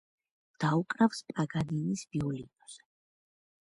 დაუკრავს პაგანინის ვიოლინოზე.